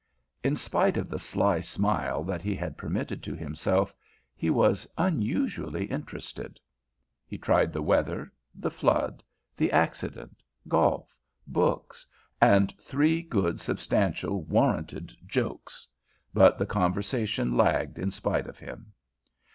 In spite of the sly smile that he had permitted to himself, he was unusually interested. He tried the weather, the flood, the accident, golf, books and three good, substantial, warranted jokes, but the conversation lagged in spite of him.